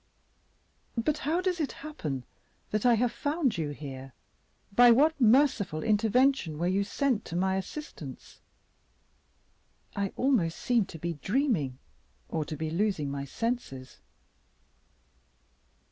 "But how does it happen that I have found you here? By what merciful intervention were you sent to my assistance? I almost seem to be dreaming, or to be losing my senses."